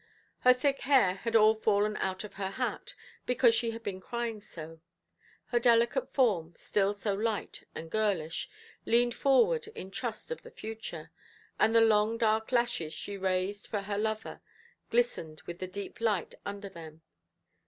Her thick hair had all fallen out of her hat, because she had been crying so; her delicate form, still so light and girlish, leaned forward in trust of the future, and the long dark lashes she raised for her lover glistened with the deep light under them.